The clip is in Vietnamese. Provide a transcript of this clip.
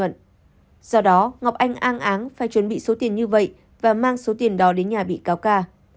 do đó ngọc anh ang áng phải chuẩn bị số tiền như vậy và mang số tiền đó đến nhà bị cáo ca